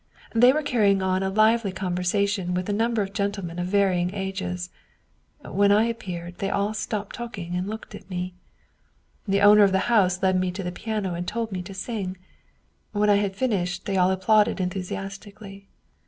They were carrying on a lively conversation with a num ber of gentlemen of varying ages. When I appeared they all stopped talking and looked at me. The owner of the house led me to the piano and told me to sing. When I had finished they all applauded enthusiastically.